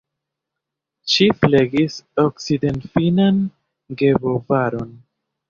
Ŝi flegis okcidentfinnan gebovaron.